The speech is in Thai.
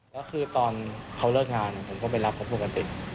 แล้วคือตอนเขาเลิกงานผมก็ไปรับเขาปกติ